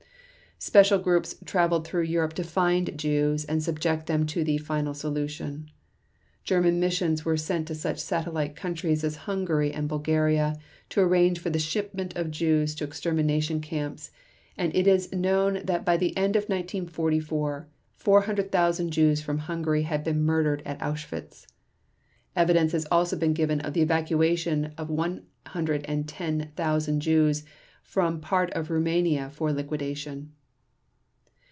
Special groups traveled through Europe to find Jews and subject them to the "final solution". German missions were sent to such satellite countries as Hungary and Bulgaria, to arrange for the shipment of Jews to extermination camps and it is known that by the end of 1944, 400,000 Jews from Hungary had been murdered at Auschwitz. Evidence has also been given of the evacuation of 110,000 Jews from part of Rumania for "liquidation".